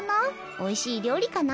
おいしい料理かな？